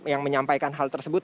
yang menyampaikan hal tersebut